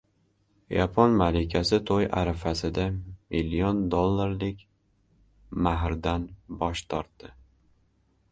Yapon malikasi to‘y arafasida million dollarlik «mahr» dan bosh tortdi